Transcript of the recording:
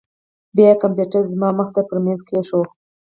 بيا يې کمپيوټر زما مخې ته پر ميز کښېښوو.